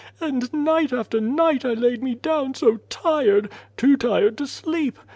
And night after night I laid me down so tired too tired to sleep.